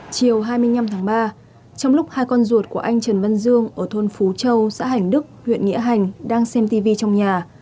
chiều hai mươi năm tháng ba trong lúc hai con ruột của anh trần văn dương ở thôn phú châu xã hành đức huyện nghĩa hành đang xem tv trong nhà